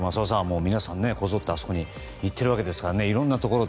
皆さんこぞって、あそこに行っているわけですからね。